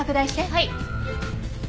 はい。